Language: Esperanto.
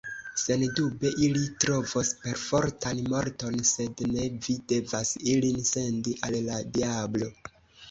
Sendube, ili trovos perfortan morton, sed ne vi devas ilin sendi al la diablo.